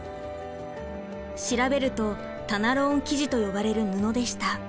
調べるとタナローン生地と呼ばれる布でした。